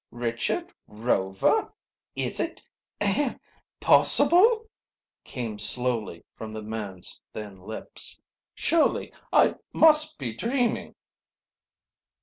"Richard Rover, is it ahem possible?" came slowly from the man's thin lips. "Surely I must be dreaming!"